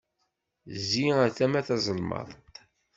Zzi ar tama tazelmaḍt!